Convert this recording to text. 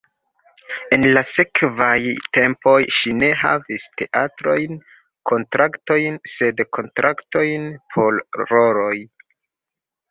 En la sekvaj tempoj ŝi ne havis teatrajn kontraktojn, sed kontraktojn por roloj.